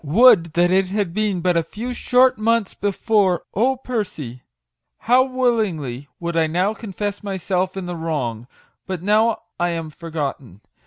Would that it had been but a few short months before ! Oh, Percy ! how willingly would I now confess my self in the wrong ! But now I am forgotten